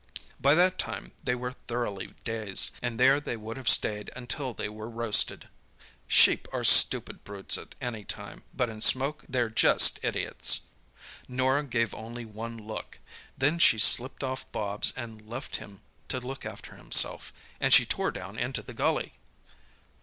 By that time they were thoroughly dazed, and there they would have stayed until they were roasted. Sheep are stupid brutes at any time, but in smoke they're just idiots! "Norah gave only one look. Then she slipped off Bobs and left him to look after himself, and she tore down into the gully."